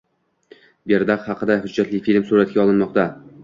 Berdaq haqida hujjatli film suratga olinmoqda